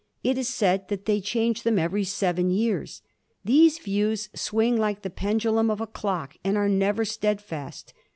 It is said that they change them every seven years. These views swing like the pendulum of a clock and are never steadfast.